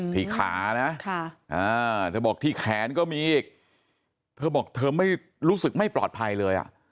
ขานะเธอบอกที่แขนก็มีอีกเธอบอกเธอไม่รู้สึกไม่ปลอดภัยเลย